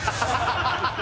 ハハハハ！